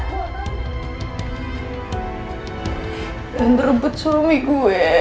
jangan terbentur suami gue